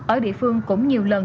ở địa phương cũng nhiều lần